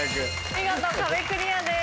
見事壁クリアです。